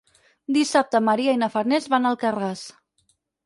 Dissabte en Maria i na Farners van a Alcarràs.